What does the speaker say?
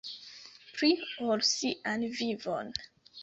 Pli ol sian vivon.